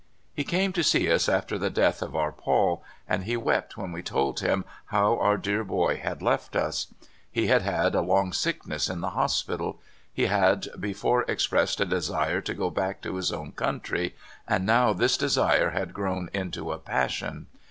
" He came to see us after the death of our Paul, and he wept when we told him how our dear boy had left us. He had had a long sickness in the hospital. He had before expressed a desire to go back to his own country, and now this desire had grown into a passion.